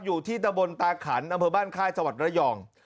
อยู่ที่ตะบนตาขันอำเภอบ้านค่ายจังหวัดระยอง